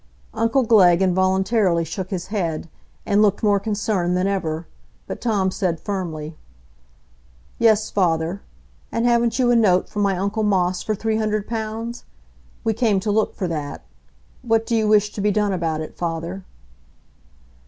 Uncle Glegg involuntarily shook his head, and looked more concerned than ever, but Tom said firmly: "Yes, father. And haven't you a note from my uncle Moss for three hundred pounds? We came to look for that. What do you wish to be done about it, father?"